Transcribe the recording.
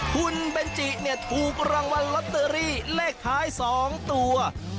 คุณเบนจิเนี่ยถูกรางวัลลอตเตอรี่เลขท้าย๒ตัว